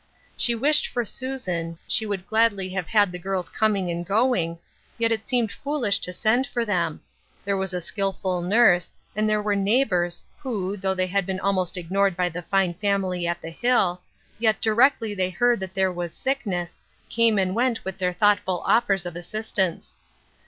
She wished for Susan, she would gladly have had the girls coming and going , yet it seemed foolish to send for them ; theie was a skillful nurse, and there were neighbors, who, though they had been almost ignored by the fine family at the Hill, yf;t directly they heard that there was sickness, came and went with their thoughtful offers of assistence.